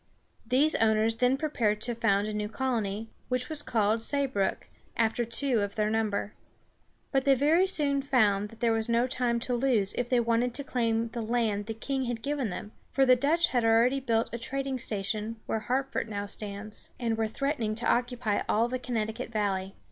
These owners then prepared to found a new colony, which was called Say´brook, after two of their number. But they very soon found that there was no time to lose if they wanted to claim the land the king had given them, for the Dutch had already built a trading station where Hartford now stands, and were threatening to occupy all the Connecticut valley.